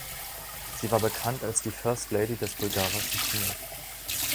Sie war bekannt als die First Lady des bulgarischen Kinos.